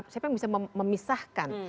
siapa yang bisa memisahkan